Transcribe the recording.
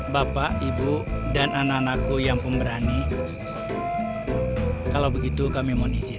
bapak ibu dan anak anakku yang pemberani kalau begitu kami mohon izin